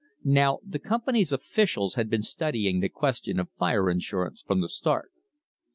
Now the company's officials had been studying the question of fire insurance from the start.